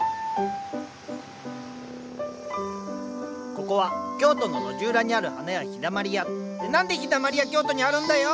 ここは京都の路地裏にある花屋「陽だまり屋」って何で陽だまり屋京都にあるんだよ！